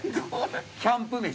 キャンプ飯？